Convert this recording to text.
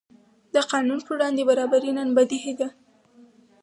د قانون پر وړاندې برابري نن بدیهي ده.